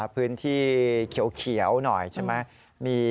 พื้นที่เขียวหน่อยใช่ไหม